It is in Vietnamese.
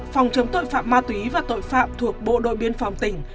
phòng chống tội phạm ma túy và tội phạm thuộc bộ đội biên phòng tỉnh